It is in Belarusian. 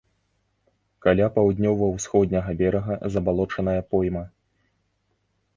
Каля паўднёва-ўсходняга берага забалочаная пойма.